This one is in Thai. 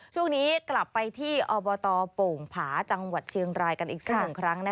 ช่วงนี้กลับไปที่อบตโป่งผาจังหวัดเชียงรายกันอีกสักหนึ่งครั้ง